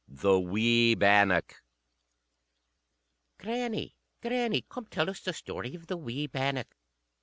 The Wee Bannock _"Grannie, grannie, come tell us the story of the wee bannock."